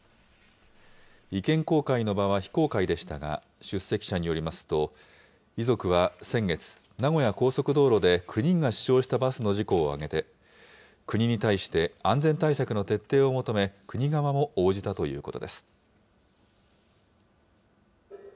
意見交換の場は非公開でしたが、出席者によりますと、遺族は先月、名古屋高速道路で９人が死傷したバスの事故を挙げ、国に対して、安全対策の徹底を求め、国側も応じたということです。